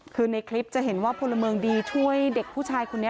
คือในคลิปจะเห็นว่าพลเมืองดีช่วยเด็กผู้ชายคนนี้